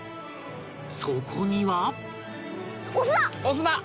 そこには